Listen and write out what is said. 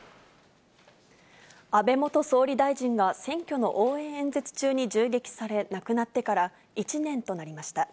安倍元総理大臣が選挙の応援演説中に銃撃され、亡くなってから１年となりました。